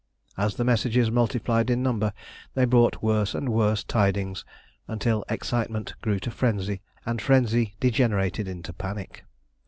As the messages multiplied in number they brought worse and worse tidings, until excitement grew to frenzy and frenzy degenerated into panic.